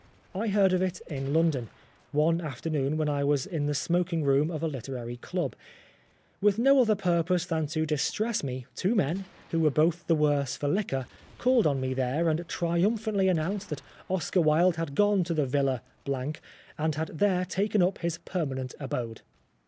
I heard of it in London, one afternoon when I was in the smoking room of a liter ary club. With no other purpose than to distress me, two men, who were both the worse for liquor, called on me there and triumphantly announced that Oscar Wilde had gone to the Villa G , and had there taken up his permanent abode.